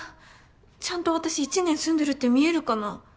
ちゃんと私１年住んでるって見えるかな？